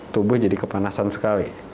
tubuh jadi kepanasan sekali